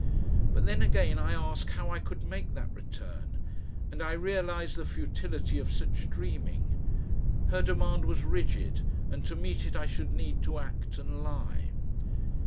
But then again I ask how I could make that return? And I realise the futility of such dreaming. Her demand was rigid, and to meet it I should need to act and lie.